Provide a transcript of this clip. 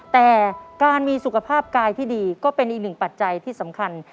แต่การมีสุขภาพกายที่ดีก็เป็นอีกหนึ่งปัจจัยที่สำคัญ